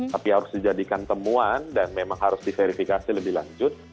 tapi harus dijadikan temuan dan memang harus diverifikasi lebih lanjut